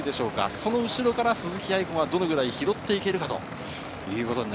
その後ろから鈴木亜由子がどれくらい拾っていけるか。